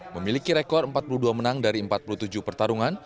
memiliki rekor empat puluh dua menang dari empat puluh tujuh pertarungan